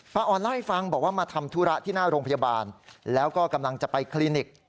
ออนเล่าให้ฟังบอกว่ามาทำธุระที่หน้าโรงพยาบาลแล้วก็กำลังจะไปคลินิก